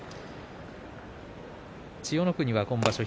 千代の国は今場所